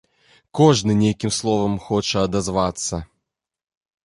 Кожны нейкім словам хоча адазвацца.